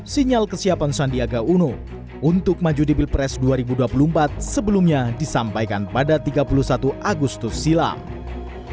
sinyal kesiapan sandiaga uno untuk maju di pilpres dua ribu dua puluh empat sebelumnya disampaikan pada tiga puluh satu agustus silam